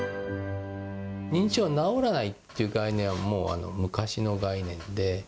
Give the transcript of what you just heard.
認知症は治らないって概念はもう昔の概念で。